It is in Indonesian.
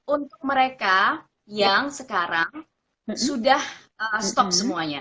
untuk mereka yang sekarang sudah stop semuanya